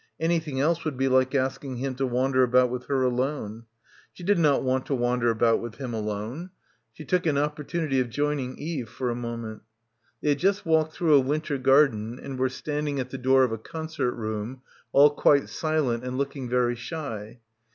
Anything else would be like asking him to wan der about with her alone. She did not want to wander about with him alone. She took an op — 253 — PILGRIMAGE portunity of joining Eve for a moment. They had just walked through a winter garden and were standing at the door of a concert room, all quite silent and looking very shy.